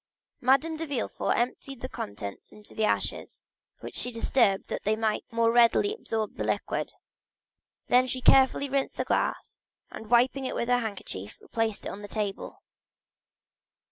Madame de Villefort emptied the contents into the ashes, which she disturbed that they might the more readily absorb the liquid; then she carefully rinsed the glass, and wiping it with her handkerchief replaced it on the table.